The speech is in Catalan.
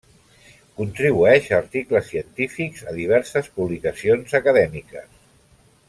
Contribueix articles científics a diverses publicacions acadèmiques.